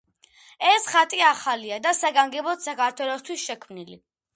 ეს ხატი ახალია და საგანგებოდ საქართველოსთვის შექმნილი.